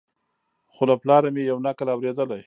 خو له پلاره مي یو نکل اورېدلی